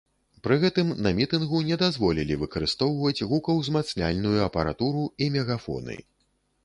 Пры гэтым на мітынгу не дазволілі выкарыстоўваць гукаўзмацняльную апаратуру і мегафоны.